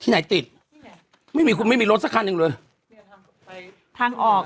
ที่ไหนติดไม่มีไม่มีลดสักครั้งหนึ่งเลยทั้งออก